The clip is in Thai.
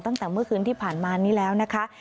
ตั้งแต่เมื่อคืนที่ผ่านมานี้แล้วนะคะ